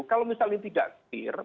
kalau misalnya tidak clear